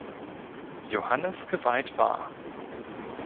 Johannes geweiht war.